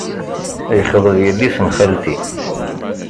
Yexḍeb yelli-s n xalti.